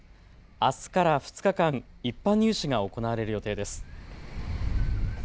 あすから２日間、一般入試が行われる予定です。